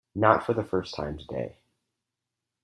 Not for the first time today.